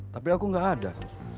tapi aku gak ada